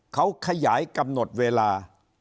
เขาขยายกำหนดเวลา